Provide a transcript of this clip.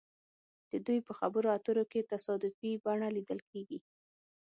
د دوی په خبرو اترو کې تصادفي بڼه لیدل کیږي